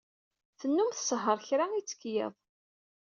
Tennum tsehheṛ kra itekk yiḍ.